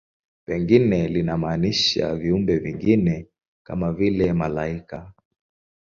Pengine linamaanisha viumbe vingine, kama vile malaika.